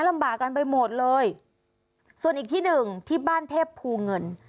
ลำบากกันไปหมดเลยส่วนอีกที่หนึ่งที่บ้านเทพภูเงิน